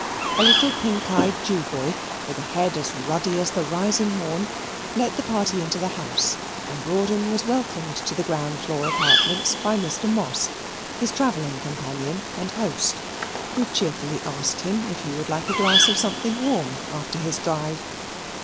A little pink eyed Jew boy, with a head as ruddy as the rising morn, let the party into the house, and Rawdon was welcomed to the ground floor apartments by Mr. Moss, his travelling companion and host, who cheerfully asked him if he would like a glass of something warm after his drive.